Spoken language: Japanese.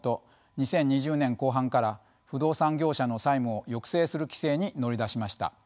２０２０年後半から不動産業者の債務を抑制する規制に乗り出しました。